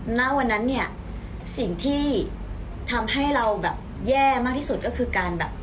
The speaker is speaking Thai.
หน้าวันนั้นเสียงที่ทำให้เราแย่มากที่สุดคือการ